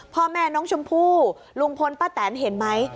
พ่อแม่น้องชมพู่ลุงพลป้าแตนเห็นไหม